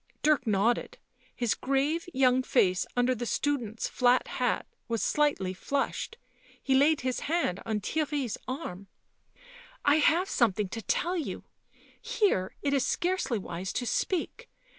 Dirk nodded ; his grave young face under the student's flat hat was slightly flushed ; he laid his hand on Theirry's arm. " I have something to tell you. Here it is scarcely wise to speak.